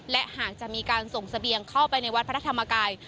และหากจะมีการส่งเสบียงเข้าไปในวัดพระธรรมกาย